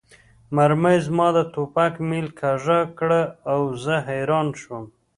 مرمۍ زما د ټوپک میل کږه کړه او زه حیران شوم